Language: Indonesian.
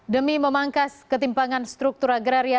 demi memangkas ketimpangan struktur agraria